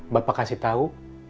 bapak kasih tahu